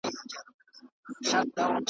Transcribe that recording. هله څه بیان راته ددوی د تړسکو وکړه